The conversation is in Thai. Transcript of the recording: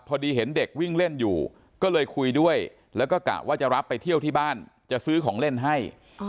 พอดีเห็นเด็กวิ่งเล่นอยู่ก็เลยคุยด้วยแล้วก็กะว่าจะรับไปเที่ยวที่บ้านจะซื้อของเล่นให้